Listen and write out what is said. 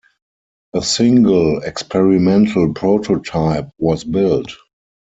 A single experimental prototype was built.